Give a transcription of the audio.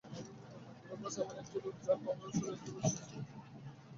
Lupus এমন একটি রোগ যার প্রভাবে শরীরের অ্যান্টিবডি সুস্থ কোষকে আক্রমণ করে বসে।